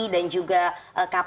dan juga kps